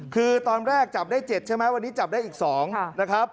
คือตอนแรกจับได้๗ใช่ไหมวันนี้จับได้อีก๒นะครับ